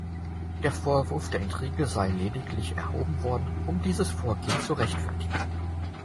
Der Vorwurf der Intrige sei lediglich erhoben worden, um dieses Vorgehen zu rechtfertigen.